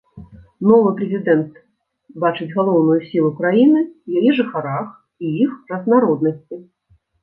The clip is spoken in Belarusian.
Новы прэзідэнт бачыць галоўную сілу краіны ў яе жыхарах і іх разнароднасці.